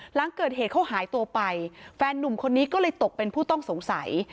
หลังเกิดเหตุเขาหายตัวไปแฟนนุ่มคนนี้ก็เลยตกเป็นผู้ต้องสงสัย